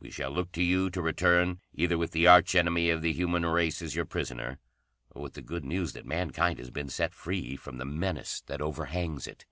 "We shall look to you to return, either with the arch enemy of the human race as your prisoner, or with the good news that mankind has been set free from the menace that overhangs it.